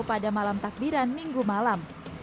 pada malam takbiran minggu malam